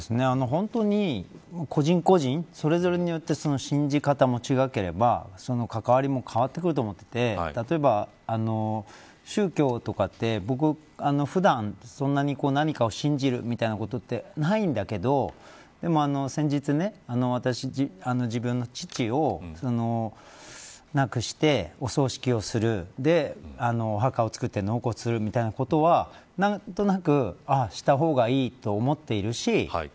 本当に個人個人それぞれによって信じ方も違えば関わりも変わってくると思っていて例えば、宗教とかって僕、普段そんなに何かを信じるってことはないんだけれどでも、先日自分の父を亡くして葬式をするお墓を作って納骨するみたいなことは何となくした方がいいと思っているし